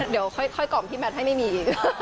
เดี๋ยวค่อยกล่อมพี่แมทให้ไม่มี